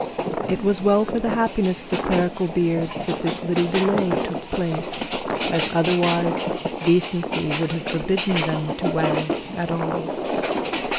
It was well for the happiness of the clerical beards that this little delay took place, as otherwise decency would have forbidden them to wag at all.